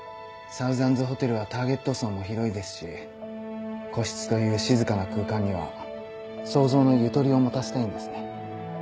サウザンズホテルはターゲット層も広いですし個室という静かな空間には想像のゆとりを持たせたいんですね。